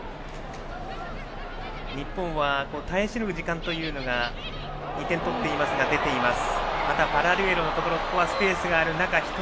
日本は耐え忍ぶ時間が２点を取っていますが出ています。